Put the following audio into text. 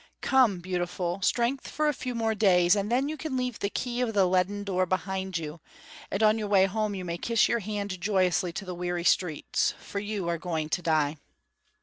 Come, beautiful, strength for a few more days, and then you can leave the key of the leaden door behind you, and on your way home you may kiss your hand joyously to the weary streets, for you are going to die.